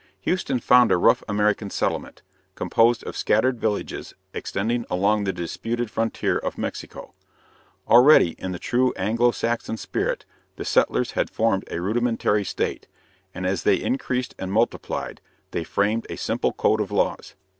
Houston found a rough American settlement, composed of scattered villages extending along the disputed frontier of Mexico. Already, in the true Anglo Saxon spirit, the settlers had formed a rudimentary state, and as they increased and multiplied they framed a simple code of laws.